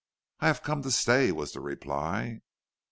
"I have come to stay," was the reply.